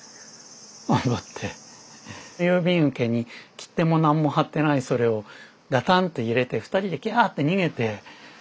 郵便受けに切手も何も貼ってないそれをガタンッて入れて二人で「キャーッ」って逃げて。